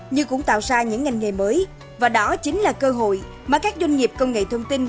nhưng cũng tạo ra những ngành nghề mới và đó chính là cơ hội mà các doanh nghiệp công nghệ thông tin